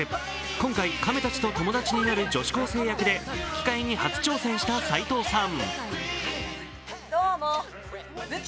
今回、カメたちと友達になる女子高生役で吹き替えに初挑戦した齊藤さん。